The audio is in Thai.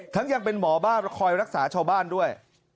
ยังเป็นหมอบ้านคอยรักษาชาวบ้านด้วย